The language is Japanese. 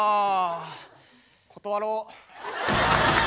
断ろう。